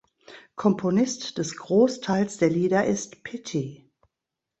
Komponist des Großteils der Lieder ist "Pity".